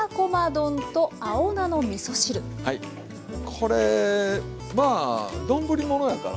これまあ丼物やからね簡単。